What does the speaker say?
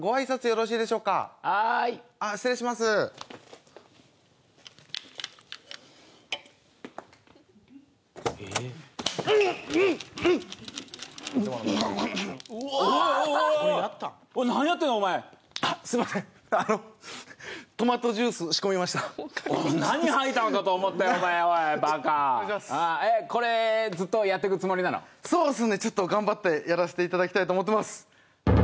そうですねちょっと頑張ってやらせて頂きたいと思ってます。